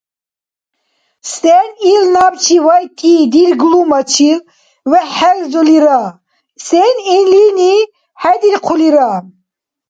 Сен ил набчи вайти дирглумачил вехӀхӀелзулира? Сен илини хӀедирхъулира?